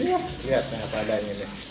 ya ini seperti ini ya